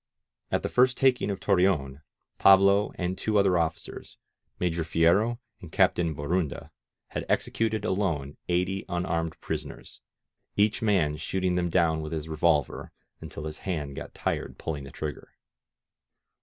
At the first taking of Torreon, Pablo and two other officers, Major 23 INSURGENT, MEXICO Fierro anii Captain Borunda, Iia9 executed alone eighty unarmed prisoners, each man shooting them down with his revolver until his hand got tired pulling the trigger.